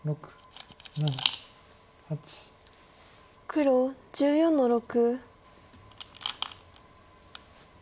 黒１４の六。